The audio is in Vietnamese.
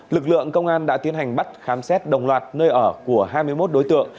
lực lượng công an đã tiến hành bắt khám xét đồng loạt nơi ở của hai mươi một đối tượng